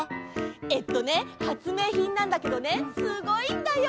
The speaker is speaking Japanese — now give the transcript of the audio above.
えっとねはつめいひんなんだけどねすごいんだよ！